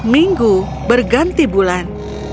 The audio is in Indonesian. minggu berganti bulan